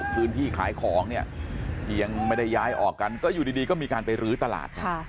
พื้นที่ขายของเนี่ยยังไม่ได้ย้ายออกกันก็อยู่ดีก็มีการไปรื้อตลาด